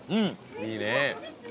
いいね。